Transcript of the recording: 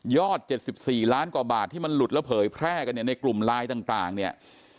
๗๔ล้านกว่าบาทที่มันหลุดแล้วเผยแพร่กันเนี่ยในกลุ่มไลน์ต่างเนี่ย